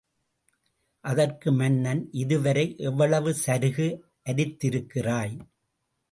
அதற்கு மன்னன் இதுவரை எவ்வளவு சருகு அரித்திருக்கிறாய்?